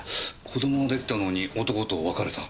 子供が出来たのに男と別れた？